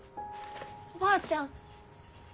おばあちゃん。